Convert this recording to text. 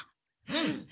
うん。